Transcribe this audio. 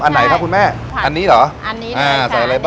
อันไหนคะคุณแม่อันนี้เหรอ